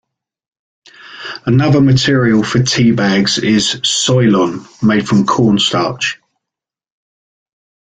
Another material for tea bags is Soilon, made from corn starch.